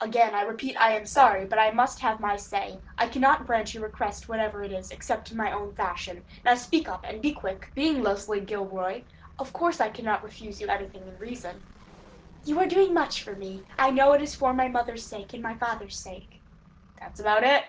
"Again I repeat I am sorry, but I must have my say. I cannot grant your request, whatever it is, except in my own fashion. Now, speak up, and be quick. Being Leslie Gilroy, of course I cannot refuse you anything in reason." "You are doing much for me. I know it is for my mother's sake and my father's sake." "That's about it."